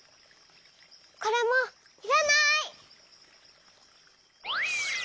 これもいらない。